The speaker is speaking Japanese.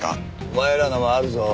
お前らのもあるぞ。